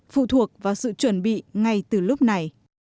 phụ thuộc vào sự chuẩn bị ngay từ lúc này